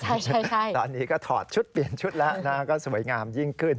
ใช่ตอนนี้ก็ถอดชุดเปลี่ยนชุดแล้วก็สวยงามยิ่งขึ้น